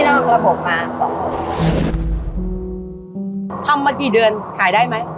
ทำมากี่เดือนขายได้ไหม